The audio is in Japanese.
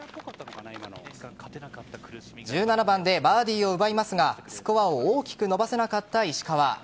１７番でバーディーを奪いますがスコアを大きく伸ばせなかった石川。